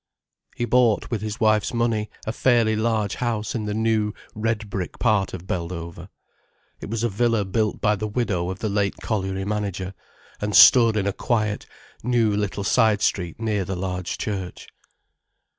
He bought, with his wife's money, a fairly large house in the new, red brick part of Beldover. It was a villa built by the widow of the late colliery manager, and stood in a quiet, new little side street near the large church.